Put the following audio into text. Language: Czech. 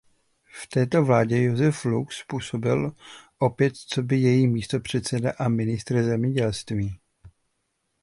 V této vládě Josef Lux působil opět coby její místopředseda a ministr zemědělství.